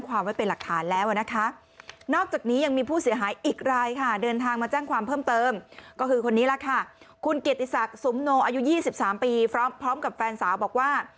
อายุ๒๓ปีพร้อมกับแฟนสาวบอกว่า